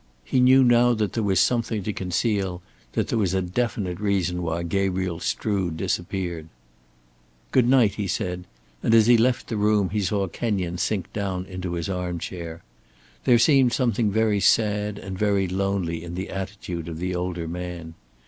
He knew now that there was something to conceal, that there was a definite reason why Gabriel Strood disappeared. "Good night," he said; and as he left the room he saw Kenyon sink down into his arm chair. There seemed something sad and very lonely in the attitude of the older man.